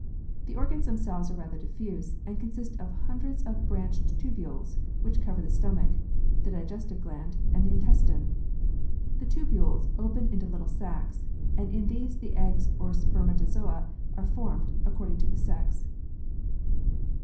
The organs themselves are rather diffuse, and consist of hundreds of branched tubules which cover the stomach, the digestive gland, and the intestine. The tubules open into little sacs, and in these the eggs or sper matozoa are formed, according to the sex.